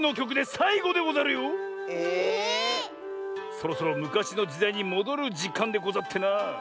⁉そろそろむかしのじだいにもどるじかんでござってな。